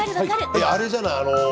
あれじゃない。